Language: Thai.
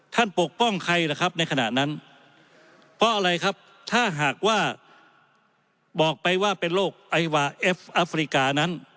ท่านปกป้องใครนะครับในขณะนั้น